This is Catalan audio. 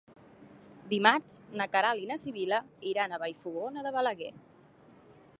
Dimarts na Queralt i na Sibil·la iran a Vallfogona de Balaguer.